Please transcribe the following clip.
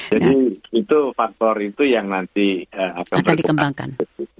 jadi itu faktor itu yang nanti akan dikembangkan